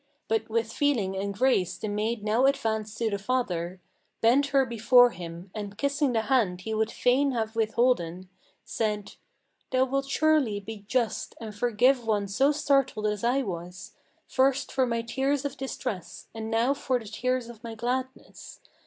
But with feeling and grace the maid now advanced to the father, Bent her before him, and kissing the hand he would fain have withholden, Said: "Thou wilt surely be just and forgive one so startled as I was, First for my tears of distress, and now for the tears of my gladness.